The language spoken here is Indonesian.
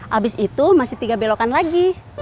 habis itu masih tiga belokan lagi